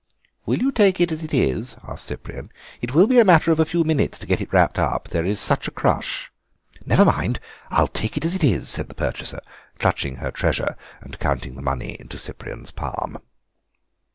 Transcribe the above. "Will you take it as it is?" asked Cyprian; "it will be a matter of a few minutes to get it wrapped up, there is such a crush." "Never mind, I'll take it as it is," said the purchaser, clutching her treasure and counting the money into Cyprian's palm.